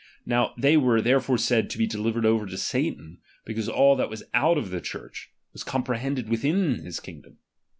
Now, ■they were therefore said to he delivered over to jSatan, because all that was out of the Church, was cjomprebended within his kingdom.